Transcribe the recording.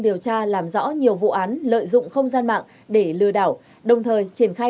điều tra làm rõ nhiều vụ án lợi dụng không gian mạng để lừa đảo đồng thời triển khai